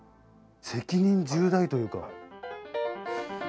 責任重大というか。